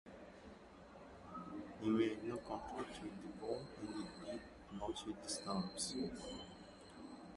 He made no contact with the ball and it did not hit the stumps.